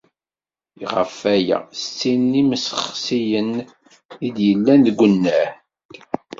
Ɣef waya, settin n yimsexsiyen i d-yellan deg unnar.